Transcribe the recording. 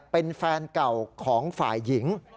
เป็นแฟนเก่าของฝ่ายหญิง